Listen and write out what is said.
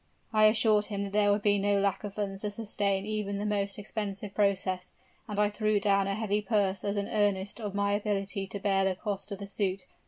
I assured him that there would be no lack of funds to sustain even the most expensive process; and I threw down a heavy purse as an earnest of my ability to bear the cost of the suit.